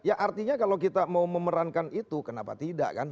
ya artinya kalau kita mau memerankan itu kenapa tidak kan